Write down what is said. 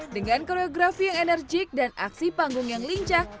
dengan koreografi yang enerjik dan aksi panggung yang lincah